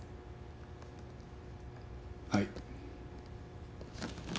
はい。